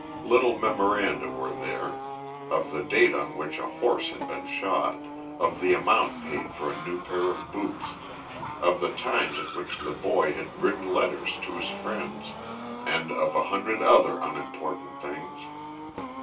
Little memoranda were there of the date on which a horse had been shod; of the amount paid for a new pair of boots; of the times at which the boy had written letters to his friends, and of a hundred other unimportant things.